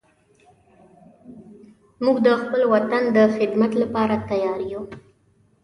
موږ د خپل وطن د خدمت لپاره تیار یو